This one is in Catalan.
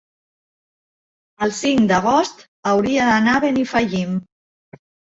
El cinc d'agost hauria d'anar a Benifallim.